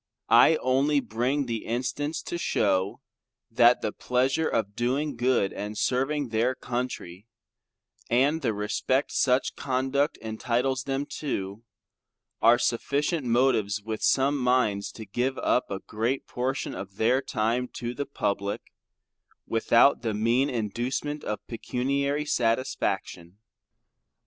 I only bring the instance to shew that the pleasure of doing good & serving their Country and the respect such conduct entitles them to, are sufficient motives with some minds to give up a great portion of their time to the public, without the mean inducement of pecuniary satisfaction.